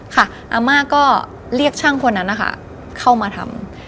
อาม่าก็เรียกช่างคนนั้นนะคะเข้ามาทำ